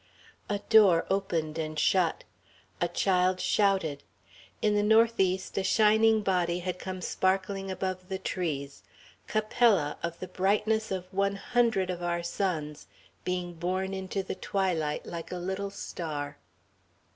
A door opened and shut. A child shouted. In the north east a shining body had come sparkling above the trees Capella of the brightness of one hundred of our suns, being born into the twilight like a little star....